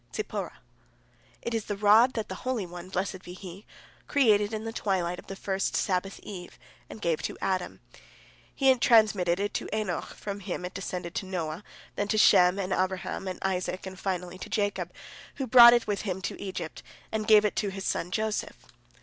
Zipporah: "It is the rod that the Holy One, blessed be He, created in the twilight of the first Sabbath eve, and gave to Adam. He transmitted it to Enoch, from him it descended to Noah, then to Shem, and Abraham, and Isaac, and finally to Jacob, who brought it with him to Egypt, and gave it to his son Joseph.